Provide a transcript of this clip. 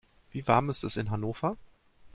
Wie warm ist es in Hannover?